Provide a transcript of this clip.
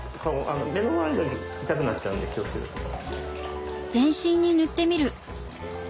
目の周りだけ痛くなっちゃうんで気を付けてください。